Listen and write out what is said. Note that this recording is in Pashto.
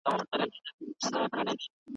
له هغې ورځې يې ښه نه دې ليدلي